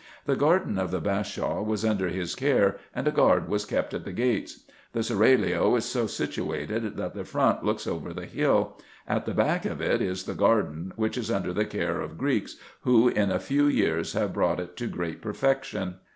The garden of the Bashaw was under his care, and a guard was kept at the gates. The seraglio is so situated, that the front looks over the hill : at the back of it is the garden, which is under the care of Greeks, who in a few years have brought it to great perfection.